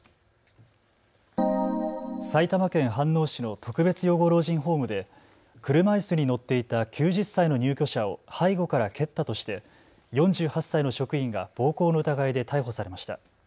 埼玉県飯能市の特別養護老人ホームで車いすに乗っていた９０歳の入居者を背後から蹴ったとして４８歳の職員が暴行の疑いで逮捕されました。